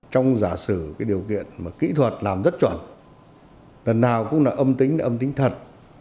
trong giả sử cái điều kiện mà kỹ thuật làm rất chuẩn lần nào cũng là âm tính là âm tính thật